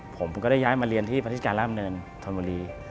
ผมก็ได้ย้ายมาเรียนที่พณฑิสการร่ามเณิญทนวรี